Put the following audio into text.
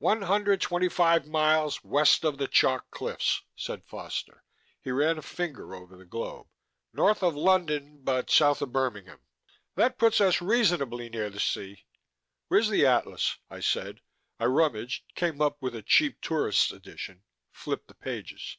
"One hundred twenty five miles west of the chalk cliffs," said Foster. He ran a finger over the globe. "North of London, but south of Birmingham. That puts us reasonably near the sea " "Where's the atlas?" I said. I rummaged, came up with a cheap tourists' edition, flipped the pages.